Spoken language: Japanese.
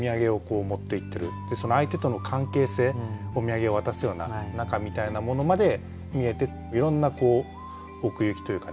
その相手との関係性お土産を渡すような仲みたいなものまで見えていろんな奥行きというかね